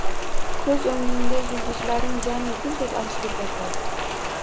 Ko‘z o‘ngingda yulduzlarning jami guldek ochilib yotadi...